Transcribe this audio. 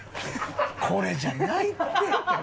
これじゃないって。